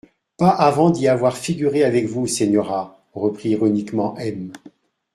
Pas avant d'y avoir figuré avec vous, señora, reprit ironiquement M.